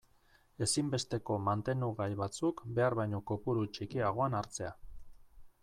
Ezinbesteko mantenugai batzuk behar baino kopuru txikiagoan hartzea.